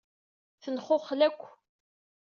Tenxuxel-ak.